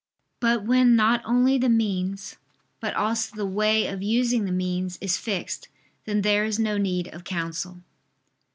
But when not only the means, but also the way of using the means, is fixed, then there is no need of counsel.